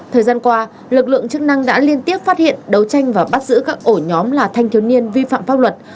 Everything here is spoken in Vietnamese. thời gian qua lực lượng chức năng đã liên tiếp phát hiện đấu tranh và bắt giữ các ổ nhóm là thanh thiếu niên vi phạm pháp luật